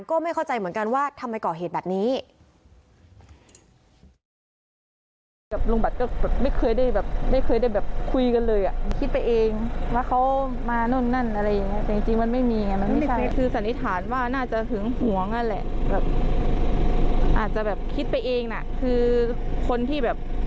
ก็ไม่เข้าใจเหมือนกันว่าทำไมก่อเหตุแบบนี้